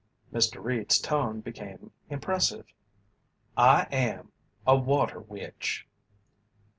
Mr. Reed's tone became impressive: "I am a water witch."